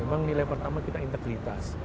memang nilai pertama kita integritas